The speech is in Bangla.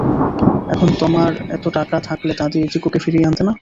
এখন তমার এতো টাকা থাকলে, তা দিয়ে চিকুকে ফিরিয়ে আনতে না?